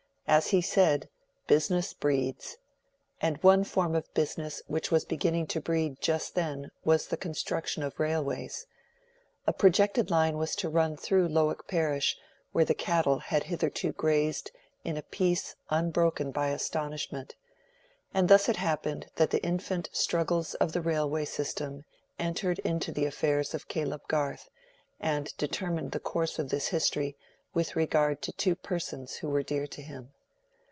As he said, "Business breeds." And one form of business which was beginning to breed just then was the construction of railways. A projected line was to run through Lowick parish where the cattle had hitherto grazed in a peace unbroken by astonishment; and thus it happened that the infant struggles of the railway system entered into the affairs of Caleb Garth, and determined the course of this history with regard to two persons who were dear to him.